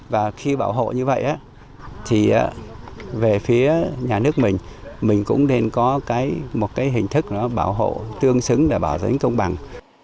và khi bảo hộ như vậy thì về phía nhà nước mình mình cũng nên có một hình thức bảo hộ tương xứng để bảo đảm tính công bằng